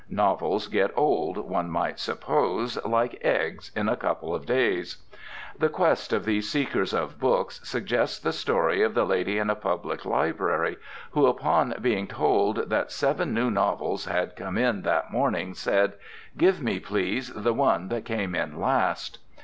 Novels get "old," one might suppose, like eggs, in a couple of days. The quest of these seekers of books suggests the story of the lady at a public library who, upon being told that seven new novels had come in that morning, said, "Give me, please, the one that came in last."